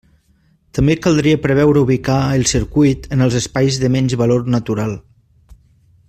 També caldria preveure ubicar el circuit en els espais de menys valor natural.